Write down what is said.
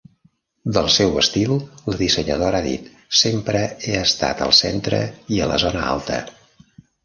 Del seu estil, la dissenyadora ha dit: Sempre he estat al centre i a la zona alta.